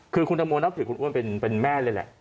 คือคุณตังโมนับถือคุณอ้วนเป็นแม่เลยแหละ